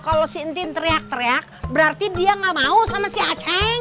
kalo si antin teriak teriak berarti dia gak mau sama si acing